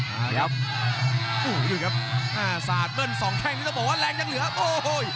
หน้าสาดเมล๒แค่งต้องบอกว่าแรงที่เหลือโอ้โห